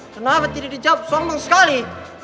eh kenapa tidak dijawab sombong sekali